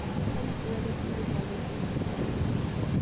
Ad nettwali tiyuẓaḍ-ik timelḥanin.